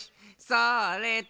それっと。